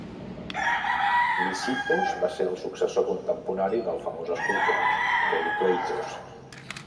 Lysippos va ser el successor contemporani del famós escultor Polykleitos.